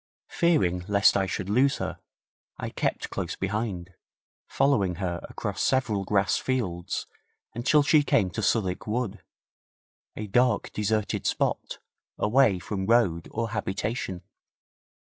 Fearing lest I should lose her I kept close behind, following her across several grass fields until she came to Southwick Wood, a dark, deserted spot, away from road or habitation.